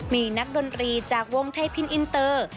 มีนักดนตรีจากวงไทยพินอินเตอร์